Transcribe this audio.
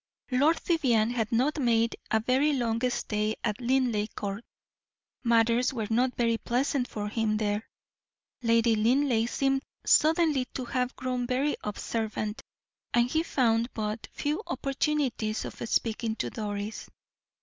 Lord Vivianne had not made a very long stay at Linleigh Court; matters were not very pleasant for him there. Lady Linleigh seemed suddenly to have grown very observant, and he found but few opportunities of speaking to Doris.